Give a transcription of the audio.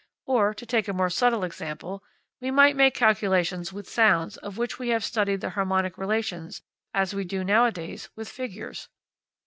Or, to take a more subtle example. We might make calculations with sounds of which we have studied the harmonic relations as we do nowadays with figures.